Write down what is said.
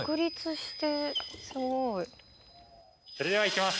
それではいきます！